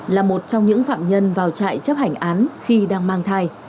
là một trong những phạm nhân vào trại chấp hành án khi đang mang thai